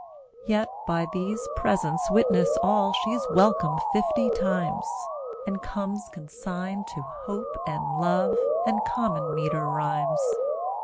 Yet by these presents witness all She's welcome fifty times, And comes consigned to Hope and Love And common meter rhymes.